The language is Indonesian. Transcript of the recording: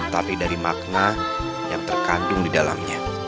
tapi dari makna yang terkandung di dalamnya